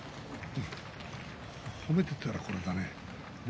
褒めていたらこれだね。